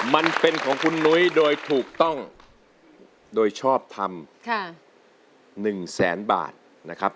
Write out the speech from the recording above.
มันเป็นของคุณนุ้ยโดยถูกต้องโดยชอบทำ๑แสนบาทนะครับ